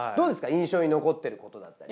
印象に残っていることだったり。